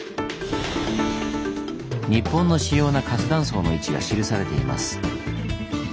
日本の主要な活断層の位置が記されています。